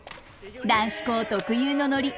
男子校特有のノリ。